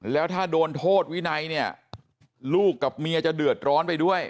แล้วถ้าโดนโทษวินัยเนี่ยลูกกับเมียจะเดือดร้อนไปด้วย